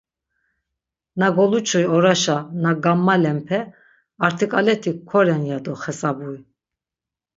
Na goluçuy oraşa na gammalenpe, arti ǩaleti koren yado xesabuy.